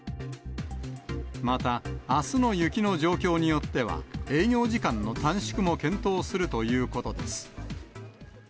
また、あすの雪の状況によっては、営業時間の短縮も検討するということです。